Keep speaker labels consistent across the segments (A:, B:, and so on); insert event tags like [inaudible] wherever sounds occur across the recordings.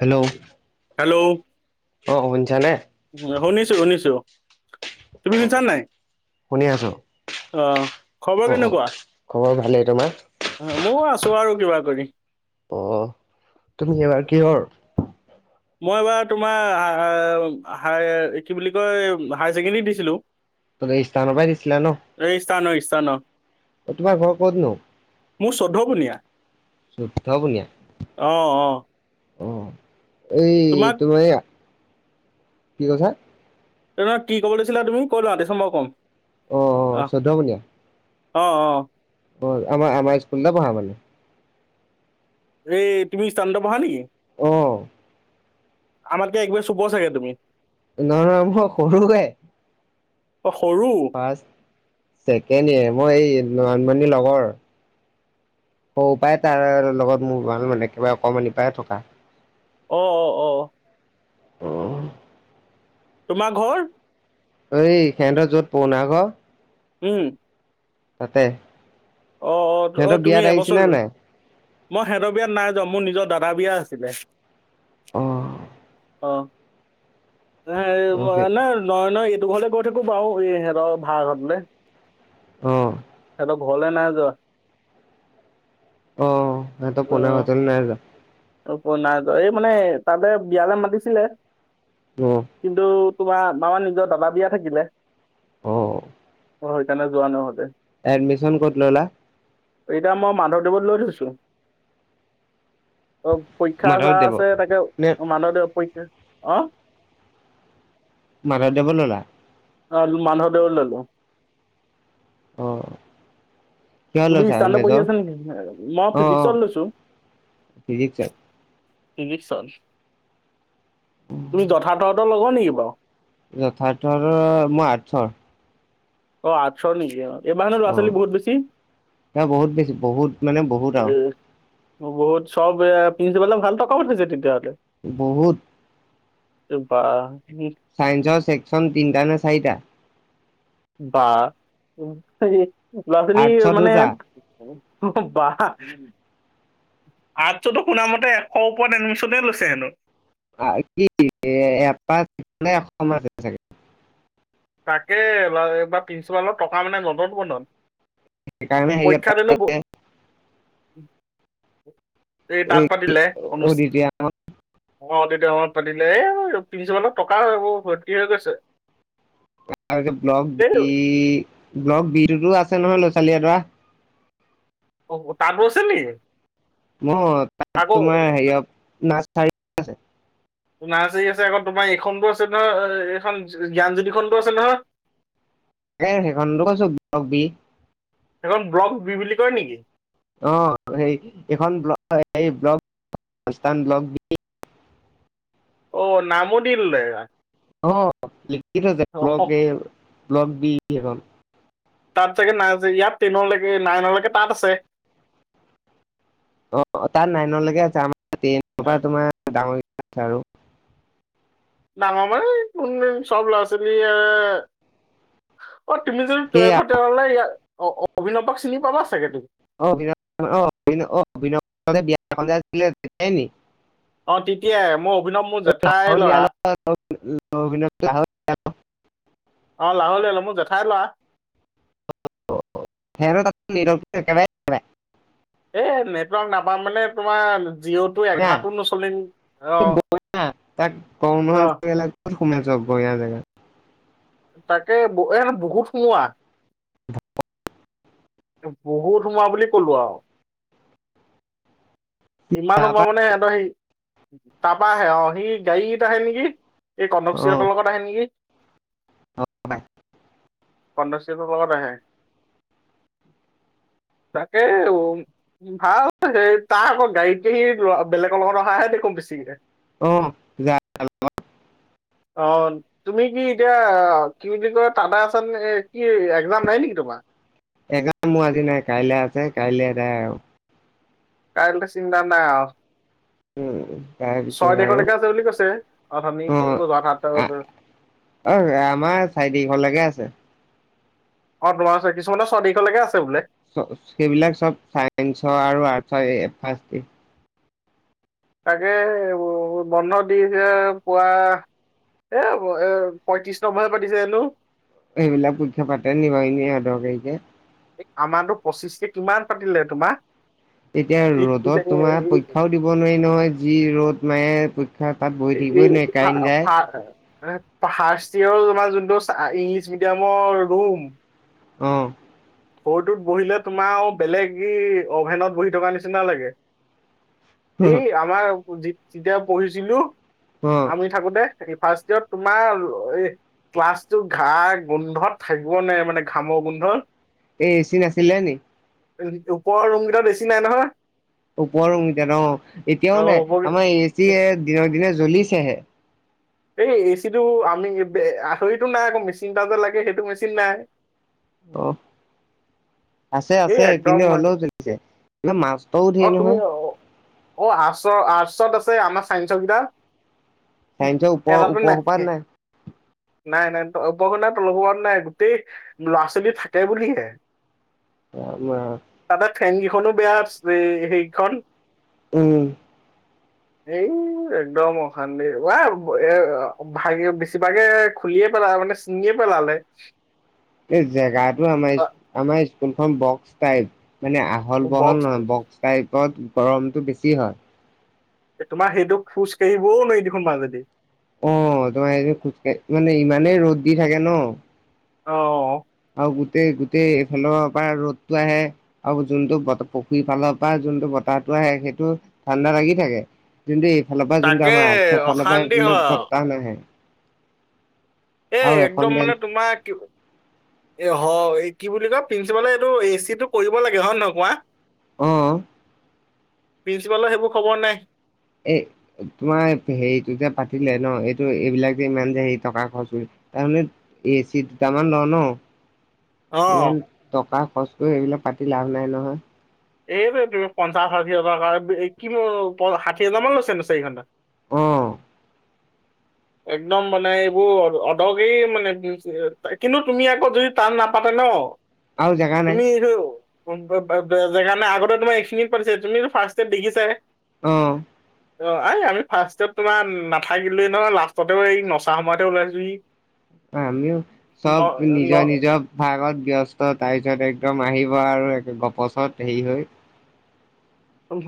A: Hello
B: hello'-
A: অ শুনিছানে?
B: শুনিছোঁ-শুনিছোঁ। তুমি শুনিছা নাই?
A: শুনি আছো।
B: অ, খবৰ
A: অ অ
B: কেনেকুৱা?
A: খবৰ ভালেই তোমাৰ?
B: ময়ো আছো আৰু কিবা কৰি।
A: অ, তুমি এইবাৰ কিহৰ
B: মই এইবাৰ তোমাৰ, কি বুলি কয় হায়াৰ ছেকেণ্ডেৰীত দিছিলোঁ।
A: তুমি স্থানৰ পৰাই দিছিলা ন?
B: তন [unintelligible]
A: অ, তোমাৰ ঘৰ ক'ত নো?
B: মোৰ চৈধ্য কুনিয়া। [unintelligible]
A: চৈধ্য বুনিয়া।
B: অ
A: [unintelligible] এই
B: তোমাক
A: তোমাৰ, কি কৈছা?
B: তেনে কি কব দিছিলা তুমি, ক'ত ৰাতিছম বাৰু কম?
A: অ-অ, চৈধ্য বুনীয়া। [unintelligible]
B: অ-অ
A: অ, আমাৰ-আমাৰ স্কুলতে পঢ়া মানে
B: এই তুমি ষ্টানতে, পঢ়া নেকি?
A: অ'হ
B: আমাতকে এক বেছ ওপৰত ছাগে তুমি?
A: নহয়-নহয় মই সৰুহে।
B: অ সৰু
A: ফাৰ্ষ্ট, ছেকেণ্ড ইয়েৰ মই এই নয়নমণি লগৰ। সৰু পৰাই তাৰ লগত মোৰ ভাল মানে, একেবাৰে অকমানি পৰা থকা।
B: অ-অ-অ
A: অ'হ
B: তোমাৰ ঘৰ?
A: এই হেতৰ য'ত পুৰণা ঘৰ
B: উম
A: তাতে
B: অ-অ-অ,
A: সিহঁতৰ
B: তুমি
A: বিয়াত আহিছিলা
B: এবছৰ
A: নাই?
B: মই সিহঁতৰ বিয়াত নাই যোৱা, মোৰ নিজৰ দাদা বিয়া আছিলে।
A: অ',
B: অ, ন
A: অ',
B: নহয়-নহয় যোৰহাট লে গৈ থাকো বাৰু, সিহঁতৰ ভাড়া ঘৰটোলে
A: অ'হ
B: ঘৰলে নাই যোৱা?
A: অ, সিহঁতৰ পুৰণা ঘৰটোলে নাই যোৱা।
B: পুৰণা, [unintelligible] এই মানে তাতে বিয়ালৈ মাতিছিলে,
A: অ',
B: কিন্তু তোমাৰ আমাৰ নিজৰ দাদা বিয়া থাকিলে।
A: অ
B: অ, সেইকাৰণে যোৱা নহ'লে।
A: এডমিশ্যন ক'ত ল'লা?
B: এতিয়া মই মাধৱদেৱত লৈ থৈছো। অ, পৰীক্ষা হৈ
A: মাধৱদেৱত
B: আছে, তাকে
A: নে
B: মাধৱদেৱ পৰিছে, অ
A: মাধৱদেৱত ল'লা?
B: হয়, মাধৱদেৱত ললোঁ।
A: অ কিহত
B: তুমি
A: লৈছা
B: হিষ্টান্ত পঢ়ি
A: মেজৰ?
B: আছা নেকি মই ফিজিক্সত লৈছো।
A: ফিজিকচ।
B: ফিজিক তুমি যথা্থত লগা নেকি বাও।
A: যথাৰ্থৰ মই আঠশৰ।
B: অ আঠশ নিকি অ। এই বাৰ হেনোঁ ল'ৰা
A: অ',
B: ছোৱালী বহুত বেছি।
A: তাৰ বহুত বেছি বহুত মানে বহুত
B: এ
A: আৰু
B: বহুত সব প্ৰিঞ্চিপাল পালে ভাল টকা উঠাইছে তেতিয়া হ'লে।
A: বহুত।
B: [unintelligible]
A: চাইন্সৰ ছেকচন তিনিটা নে চাৰিটা?
B: বা। ল'ৰা ছোৱালীল
A: আৰ্টছৰ
B: মানে
A: দুটা।
B: বা আৰ্তচটো শুনা মতে এশ ওপৰত এডমিশচনে লৈছে হেনো।
A: [unintelligible]
B: তাকে এইবাৰ প্ৰিঞ্চিপালৰ টকা মানে নদন বদন।
A: সেইকাৰণে হেৰিয়ত
B: পৰীক্ষা দিলো এই তাঁত পাতিলে অনুচ
A: অদিতি
B: অ তেতিয়া সময়ত পাতিলে এই প্ৰিঞ্চিপালৰ টকা এইবোৰ ভৰ্তি হৈ গৈছে।
A: ব্লক
B: এই
A: বি ব্লক বিতোটো আছে আছে নহয় ল'ৰা-ছোৱালী এডৰা
B: অ তাতো আছে নি?
A: ম তাত
B: আকৌ
A: তোমাৰ হেৰিয় নাৰছাৰী আছে।
B: নাৰ্চাৰী আছে আকৌ তোমাৰ এইখনতো আছে নহয় এইখন জ্ঞানজ্যোতিখনতো আছে নহয়।
A: তাকে সেইখনত কৈছো বি।
B: এখন ব্লক বি বুলি কয় নেকি?
A: অ সেই এইখন [unintelligible]
B: অ নামো দি ল'লে।
A: অ লিখি থৈছে ব্লগ
B: অ
A: এ ব্লগ বি সেখন।
B: তাত চাগে নাৰ্চাৰী ইয়াত টেনলৈকে নাইনলৈকে তাত আছে।
A: অ তাত নাইনলৈকে আছে আৰু টেইনৰ পৰা তোমাৰ ডাঙৰ কেইটা তাত আছে আৰু।
B: [unintelligible] অ তুমি যদি
A: সেইয়া
B: টুৱেলভত টেলভ ইয় অভিনৱক চিনি পাবা চাগে তুমি।
A: [unintelligible]
B: অ তেতিয়াই মোৰ অভিনৱ মোৰ
A: লাহৰ
B: জেঠাই
A: লিয়াৰ
B: ল'ৰা।
A: [unintelligible]
B: অ লাহুলীল মোৰ জেঠাই লোৱা।
A: [unintelligible]
B: এ নেটৱৰ্ক নাপাম মানে তোমাৰ জিঅ'টো এঘাৰটো নচলিম অ।
A: তাক
B: অ
A: গৰ [unintelligible] জেগা।
B: তাকে এ বহুত সোমোৱা। বহুত সোমোৱা বুলি কলো আও। ইমান
A: তাৰপা
B: সোমাব নে সিহঁতৰ সেই তাৰপা আহে অ সি গাড়ীত আহে নেকি। এই
A: অ
B: কন্দশ্ৰী লগত আহে নেকি। কন্দশ্ৰীহতৰ লগত আহে। তাকে উ ভাল সেই তাৰ আক। গাড়ীতে সি বেলেগৰ লগত অহাহে দেখো বেছিকে।
A: অ যা
B: অ তুমি কি এতিয়া কি বুলি কয় দাদা আছ কি একজাম নাই নেকি তো [unintelligible]
A: এইকাৰণে মোৰ আজি নাই কাইলৈ আছে কাইলৈ এদাই আৰু।
B: কাইলে ত চিন্তা নাই আও
A: উম। তাৰপিছত
B: ছয়
A: আৰু
B: তাৰিখলৈকে আছে বুলি কৈছে । আৰু আমি
A: অ
B: ক যাত সাতটা বজাত
A: অ' আমাৰ চাৰি তাৰিখলৈকে আছে।
B: অ' তোমাৰ ছয়। কিছুমানৰ ছয় তাৰিখলৈকে আছ
A: ছ- সেইবিলাক চব ছাইন্সৰ আৰু আৰ্টছৰ এ [inaudible]
B: তাকে, বন্ধ দি যে পুৱা এ- এ- পয়ত্ৰিশ নম্বৰে পাতিছে হেনো।
A: এইবিলাক পৰীক্ষা পাতে নি বাৰু, এনে অদৰকাৰীকে?
B: এই আমাৰটো পঁচিছকে কিমান পাতিলে তোমাৰ
A: এতিয়া ৰ'দত তোমাৰ পৰীক্ষাও দিব নোৱাৰি নহয় যি ৰ'দ মায়ে
B: [unintelligible] ফাৰ্ষ্ট ইয়েৰ তমাৰ যোনটো ইংলিছ মিডিয়ামৰ ৰুম
A: অহ
B: সৰুটোত বহিলে তোমাৰ বেলেগ ই অভেনত বহি থকা নিচিনা লাগে। সেই আমাৰ যেতিয়া পঢ়িছিলো
A: অ
B: আমি থাকোতে তাকি ফাৰ্ষ্ট ইয়েৰত তোমাৰ এই ক্লাছটো ঘা গোন্ধত থাকিব নোৱাৰি মানে ঘামৰ গোন্ধ
A: এই এ চি নাছিলে নি
B: ওপৰৰ ৰুম কেইটা এই ছি নাই নহয়
A: ওপৰৰ ৰুমকেইটা অ
B: অ
A: এতিয়াও নাই আমাৰ এ
B: ওপৰ
A: চি দিনৰক দিনে জ্বলিছেহে
B: এই এ চিটো আমি বে- আহৰিটো নাই আকৌ, মেচিন ডালটো লাগে । সেইটো মেচিন নাই।
A: অ' । আছে -
B: এই
A: আছে,
B: একদম
A: কিন্তু হ'লেও চলিছে । এইখন মা
B: অ' তুমি অ'- অ' আৰ্টছৰ- আৰ্টছত আছে আমাৰ ছাইন্সৰ কেইটা।
A: চাইন্সৰ
B: এ
A: ওপৰ
B: অলপ
A: ওপৰ সোপাত
B: নাথকে।
A: নাই
B: নাই - নাই, ত ওপৰখ নাই, তলো হোৱা নাই। গোটেই ল'ৰা-ছোৱালী থাকে বুলিহে। তাতে
A: [unintelligible]
B: ফেন কিখনো বেয়া আছ সে- সেইখন।
A: উম।
B: এই একদম অশান্তিৰ, ৱা এ ভাগে- বেছিভাগে খুলিয়ে পেলা মানে ছিঙিয়ে পেলালে।
A: এই জেগাটো আমাৰ ইস্- আমাৰ ইস্কুলখন বক্স টাইপ। মানে আহল - বহল
B: বক্স
A: নহয়। বক্স টাইপত গৰমটো বেছি হয়।
B: এ তোমাৰ সেইটোক খোজ কাঢ়িবও নোৱাৰি দেখোন মাজেদি।
A: অ' তোমাৰ এইটো খোজকাঢ়ি- মানে ইমানেই ৰ'দ দি থাকে ন'।
B: অ' - অ'।
A: গোটেই - গোটেই এইফালৰ পৰা ৰ'দটো আহে, আৰু যোনটো বত- পুখুৰীফালৰ পৰা যোনটো ব তাহটো আহে, সেইটো ঠাণ্ডা লাগি থাকে । যোনটি ফালৰ পৰা যোনটো
B: তাকে
A: আমাৰ আৰ্টছৰ ফালৰ পৰা
B: অশান্তি হয়
A: এইবিলাক
B: আৰু
A: বৰ- তা নাহে।
B: এ
A: আৰু এখন
B: একদম
A: বেঞ্চ
B: মানে তোমাৰ কি এ হয়। কি বুলি কয়, প্ৰিন্সিপালে এইটো এ চিটো কৰিব লাগে, হয় নে নহয়? কোৱা।
A: অ'।
B: প্ৰিন্সিপালৰ সেইবোৰ খবৰ নাই।
A: এ তোমাৰ হেৰিটো যে পাতিলে ন', এইটো এইবিলাক যে ইমান যে হেৰি টকা খৰচ কৰি তাৰমানে এ চি দুটামান লওঁ, ন'?
B: অ
A: ইমান টকা খৰচ কৰি এইবিলাক পাতি লাভ নাই, নহয়।
B: এইটোৱেইটো পঞ্চাশ - ষাঠি হাজাৰ- এই কিনো প- ষাঠি হাজাৰ মান লৈছে নো চাৰি ঘণ্টা
A: অ'।
B: একদম মানে এইবোৰ অদ- অদৰকাৰী মানে, কিন্তু তুমি আকৌ যদি টান নাপাতে ন'
A: আৰু জেগা নাই
B: তুমি ৰ' [unintelligible] নটোৰ বাবে জেগা নাই। আগতে তোমাৰ এখিনি পৰছে, তুমিটো ফাৰ্ষ্টে দেখিছা
A: অ'।
B: অহ, এই আমি ফাৰ্ষ্টত তোমাৰ নাথাকিলোৱে নহ লাষ্টতে এই নচা সময়তে ওলাইছো সি
A: আমিও চব
B: ন
A: নিজৰ- নিজৰ ভাগত ব্যস্ত তাৰছতে একদম আহিব আৰু এক গপছত হেৰি হৈ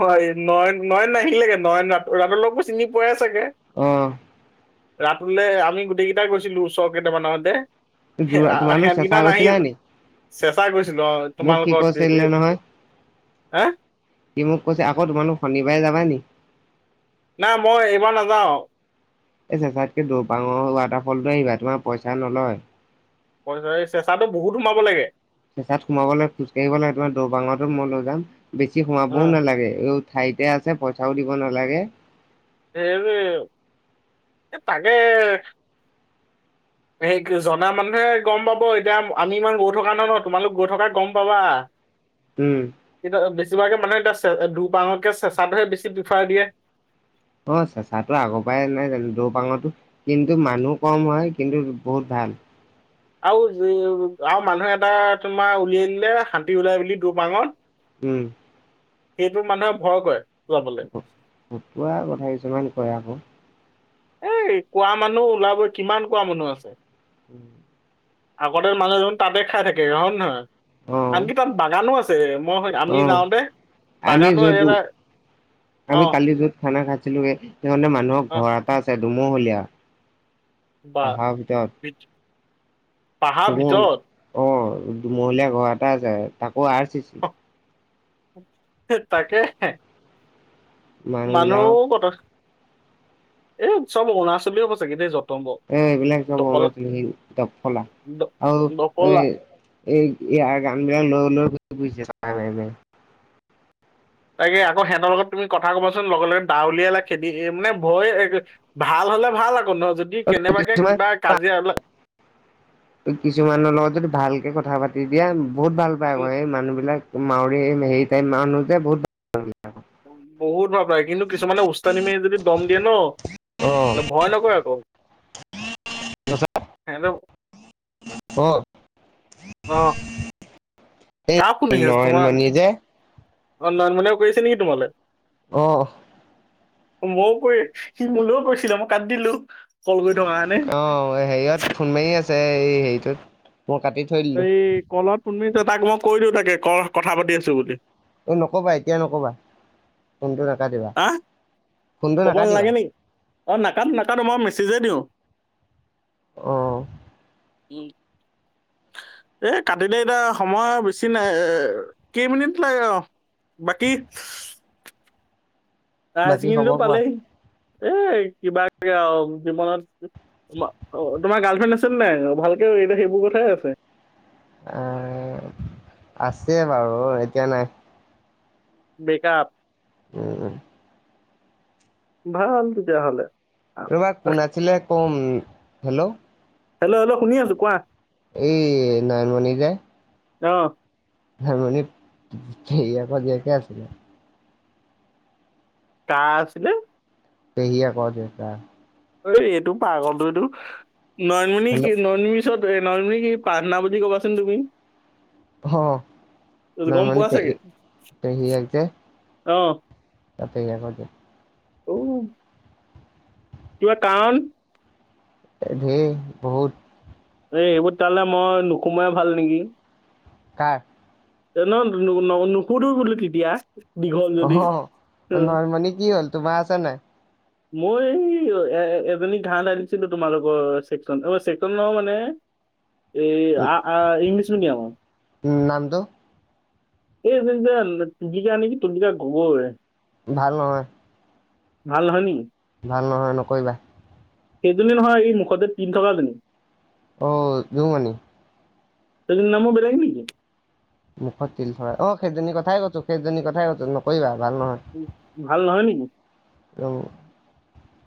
B: হয়, নয়ন- নয়ন নাহিলেকে নয়ন ৰা ৰাতুলক টো চিনি পোৱাই চাগে?
A: অহ
B: ৰাতুলে আমি গোটেই কেইটাই গৈছিলো ওচৰ কেইটামানতে
A: যোৰা
B: সেয়া
A: তোমালোক
B: সিহঁত
A: চেঁচা
B: কেইটা
A: গৈছিলা
B: নাহিল
A: নি
B: চেঁচা গৈছিলোঁ অ'
A: মোক সি
B: তোমালোকৰ
A: কৈছিলে
B: ডিগ্ৰীত,
A: নহয়
B: হা?
A: সি মোক কৈছে, আকৌ তোমালোক শনিবাৰে যাবা নি?
B: না, মই এইবাৰ নাযাওঁ।
A: এই চেচাতকে দৌপাঙৰ ৱাটাৰফলটো আহিবা। তোমাৰ পইচা নলয়।
B: পইচা- চেচাটো বহুত সোমাব লাগে।
A: চেঁচাত সোমাবলৈ খোজ কাঢ়িব লাগে। তোমাৰ দৌপাঙতো মই লৈ যাম । বেছি
B: অ
A: সোমাবও নালাগে। ঠাইতে আছে, পইচাও দিব নালাগে।
B: এই আৰু এ- এই তাকে সেই ক- জনা মানুহে গম পাব । এতিয়া আমি ইমান গৈ থকা নহয় ন'? তোমালোক গৈ থকা, গম পাবা।
A: উম
B: এতিয়া বেছিভাগে মানে আছে। দুপাঙতকে চেচাটোহে বেছি প্ৰিফাৰ দিয়ে।
A: অহ, চেচাটো আগৰ পৰাই নাই জানো দৌ পাঙৰো কিন্তু মানুহ কম হয় কিন্তু বহুত ভাল ভাল
B: আৰু -আৰু মানুহে এটা তোমাৰ উলিয়াই দিলে শান্তি ওলাই বুলি দৰ্বাঙত।
A: উম
B: সেইটো মানুহে ভয় কৰে। যাবলে
A: ফতুৱা কথা কিছুমান কয় আকৌ
B: এ কোৱা মানুহ ওলাবই কিমান কোৱা মানুহ আছে
A: উম
B: আগতে মানুহজন তাতে খাই থাকে হয় নে নহয় আনকি তাত বাগানো আছে মই সেই- আমি
A: অহ,
B: যাওঁতে
A: আমি
B: বাগানো
A: যতো
B: এটা অ
A: আমি কালি য'ত খানা খাইছো ছিলোঁ গে হিহঁতে মানুহৰ
B: অ
A: ঘৰ এটা আছে দুুমহলীয়া।
B: বা বিচ
A: তুম অহ দুমহলীয়া ঘৰ এটা আছে তাকো আৰ চিছি ।
B: তাকে। মানুহ বতাহ এই উৎসৱ অৰুণৰাচলী হব চাগে দে জত
A: এ এইবিলাক চব অৰুণাচলী সেই দ ফলা
B: দ-
A: আৰু এ
B: দকলা
A: এই ইয়াৰ গান বিলাক লৈ- লৈ [unintelligible]
B: তাকে আকৌ সিহঁতৰ লগত তুমি কথা কবাচোন লগে- লগে দাউলিয়াই লৈ খেদি মানে ভয় ভাল নহ'লে ভাল আকৌ ন' যদি
A: মাৰি
B: কেনেবাকে
A: কিছুমান
B: কিবা কাজিয়া
A: কিছুমানৰ লগত যদি ভালকে কথা পাতি দিয়া বহুত ভাল পায় আকৌ এই মানুহ বিলাক মাউৰি এই হেৰি টাইপ মানুহ যে বহুত
B: বহুত ভাল পায় কিন্তু কিছুমানে ওস্তাদি মাৰি কেনে যদি দম দিয়ে ন',
A: অ',
B: ভয় নকৰে আকৌ
A: অহ
B: অ কাৰ ফোন আহি আছ তোমাৰ
A: যে
B: নয়নমণি কৰি আছে নেকি তোমালে?
A: অহ
B: মইও পৰি সি মোলৈও কৈছিলে মই কাটি দিলো কল কৰি থকা কাৰণে
A: অহ, হেৰিয়ত ফোন মাৰি আছে এই হেৰিটোত মই কাটি থৈ দিলোঁ,
B: এই কলত ফোন মাৰি আছে তাকে মই কৈ দিওঁ তাকে কলত কথা পাতি আছো বুলি।
A: এই নকবা এতিয়া নকবা ফোনটো নাকাটিবা,
B: আহ,
A: ফোনটো
B: ক'ব
A: নাকাটিবা।
B: নালাগে নেকি অ' নাকাটো- নাকটো মই মেছেজেই দিওঁ।
A: অহ
B: উ এ কাটিলে এতিয়া সময় বেছি নাই এ কেইমিনিট লাগে আৰু বাকী?
A: বাকী খবৰ
B: [unintelligible]
A: কোৱা?
B: পালেই এ কিবাকে আৰু জীৱনত তোমাৰ অ তোমাৰ গাৰ্লফ্ৰেণ্ড আছে নাই? ভালকে সেইবোৰ কথাই আছে
A: এ আছে বাৰু এতিয়া নাই
B: বেকাপ
A: উম -উম
B: ভাল তেতিয়া হ'লে।
A: ৰবা কোন আছিলে কম হেল্ল'
B: হেল্ল', -হেল্ল', শুনি আছো কোৱা
A: এই নয়নমণি যে
B: অহ
A: সেইজনী হেৰিয়কৰ জিয়েকহে আছিলে।
B: কাৰ আছিলে?
A: পেহীয়েকৰ জীয়েক তাৰ
B: এই -এইটো পাগলটো এইটো নয়নমণি কি
A: হেল্ল'
B: নয়নম পিছত নয়নমণিক এ প্ৰাৰ্থনা বুলি কবাচোন তুমি
A: অ
B: গম
A: নয়নমণি
B: পোৱা
A: পেহী
B: চাগে
A: পেহীয়েক যে
B: অ
A: তাতে [unintelligible]
B: অ কিবা কাৰণ?
A: ধেই বহুত
B: এই এইবোৰ তেতিয়াহ'লে মই নোসোমোৱাই ভাল নেকি?
A: কাৰ?
B: [unintelligible] যদি
A: অহ
B: উম,
A: নয়ণমনিম কি হ'ল তোমাৰ আছে নাই?
B: মই এ এজনী ঘাঁহ ধালিছিলো তোমালোকৰ চেকনচন অ চেকচন নহয় মানে
A: [inaudible]
B: এই ইংলিছ
A: নামটো
B: মিডিয়ামৰ এই জনী যে তুলিকা নেকি তুলিকা গগৈ
A: ভাল নহয়
B: ভাল নহয় নি?
A: ভাল নহয় নকৰিবা
B: সেইজনী নহয় এই মুখতে তিল থকাজনী।
A: অ জোনমনি?
B: এইজনীৰ নামো বেলেগ নেকি?
A: মুখত তিল থকা অ সেইজনী কথাই কৈছো সেইজনী কথাই কৈছো নকৰিবা ভাল
B: উ ভাল নহয় নেকি?
A: নহয়